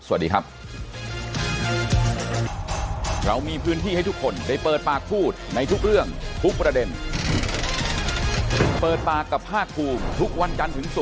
วันนี้เป็นเวลาของเปิดปากกับภาคภูมินะครับ